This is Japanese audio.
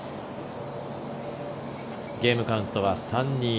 ゲームカウントは３−２。